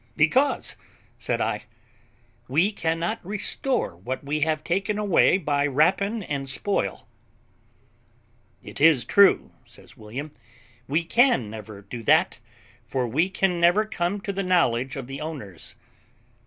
"Because," said I, "we cannot restore what we have taken away by rapine and spoil." "It is true," says William, "we never can do that, for we can never come to the knowledge of the owners."